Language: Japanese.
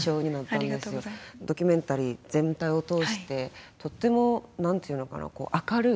ドキュメンタリー全体を通してとっても何て言うのかな明るい。